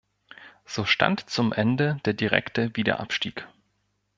So stand zum Ende der direkte Wiederabstieg.